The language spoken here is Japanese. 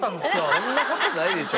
そんな事ないでしょ。